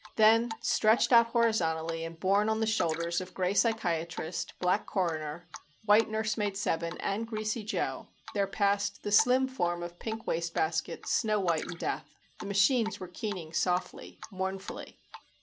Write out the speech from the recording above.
Then stretched out horizontally and borne on the shoulders of Gray Psychiatrist, Black Coroner, White Nursemaid Seven and Greasy Joe there passed the slim form of Pink Wastebasket, snow white in death. The machines were keening softly, mournfully.